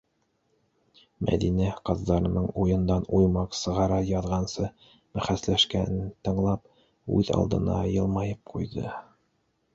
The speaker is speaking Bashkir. Мәҙинә, ҡыҙҙарының уйындан уймаҡ сығара яҙғансы бәхәсләшкәнен тыңлап, үҙ алдына йылмайып ҡуйҙы.